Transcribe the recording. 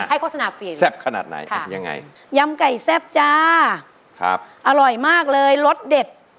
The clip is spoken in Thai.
ให้โฆษณาเฟียนค่ะยังไงย้ำไก่แซ่บจ้าอร่อยมากเลยรสเด็ด